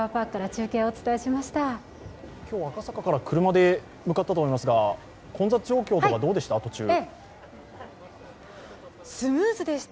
今日、赤坂から車で向かったと思いますが混雑状況とか、途中どうでした？